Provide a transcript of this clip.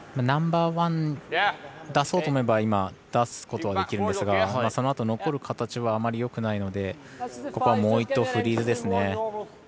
ナンバーワン出そうと思えば出すことができるんですがそのあと残る形はあまりよくないのでここはもう１投フリーズですね。